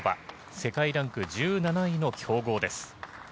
世界ランク１７位の強豪です。